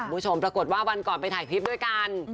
คุณผู้ชมปรากฏว่าวันก่อนไปถ่ายคลิปด้วยกัน